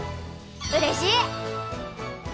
うれしい！